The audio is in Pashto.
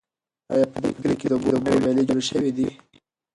آیا په دې کلي کې د اوبو نوې ویاله جوړه شوې ده؟